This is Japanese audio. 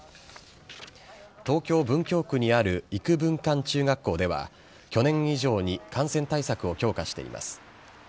東京・文京区にある郁文館中学校では、去年以上に感染対策を強化しています。